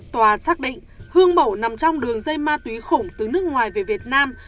tòa xác định hương mẩu nằm trong đường dây ma túy khủng từ nước ngoài về việt nam